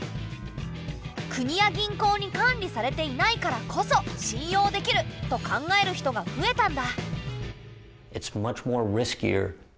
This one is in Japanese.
国や銀行に管理されていないからこそ信用できる！と考える人が増えたんだ。